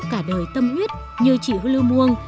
cả đời tâm huyết như chị hư lưu muông